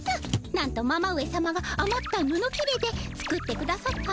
なんとママ上さまがあまったぬのきれで作ってくださったのでございます。